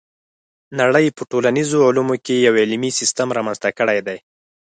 نړۍ په ټولنیزو علومو کې یو علمي سیستم رامنځته کړی دی.